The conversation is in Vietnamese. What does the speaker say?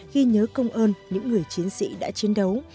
ghi nhớ công ơn những người chiến sĩ đã chiến đấu